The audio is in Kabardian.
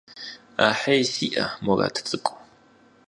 Ахьей сиӀэ, Мурат цӀыкӀу.